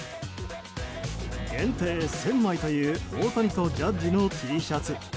限定１０００枚という大谷とジャッジのＴシャツ。